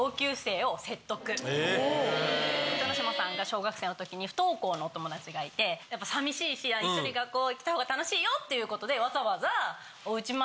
豊ノ島さんが小学生の時に不登校のお友達がいてやっぱ寂しいし一緒に学校来た方が楽しいよっていうことでわざわざ。